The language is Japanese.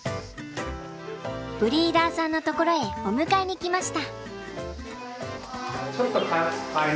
ブリーダーさんの所へお迎えに来ました。